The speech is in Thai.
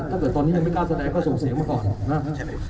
ถ้าเกิดตอนนี้ยังไม่กล้าแสดงก็ส่งเสียงมาก่อน